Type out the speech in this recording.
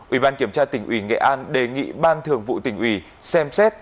ủy ban kiểm tra tỉnh ủy nghệ an đề nghị ban thường vụ tỉnh ủy xem xét